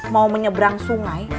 mau menyeberang sungai